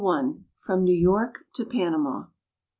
FROM NEW YORK TO PANAMA.